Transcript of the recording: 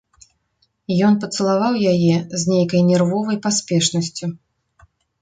Ён пацалаваў яе з нейкай нервовай паспешнасцю.